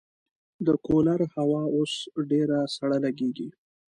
د کولر هوا اوس ډېره سړه لګېږي.